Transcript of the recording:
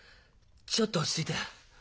ちょっと落ち着いたよ。